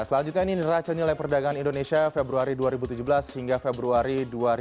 selanjutnya ini neraca nilai perdagangan indonesia februari dua ribu tujuh belas hingga februari dua ribu tujuh belas